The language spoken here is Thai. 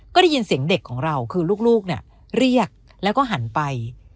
ก็ได้ยินเสียงเด็กของเราคือลูกเรียกแล้วก็หันไป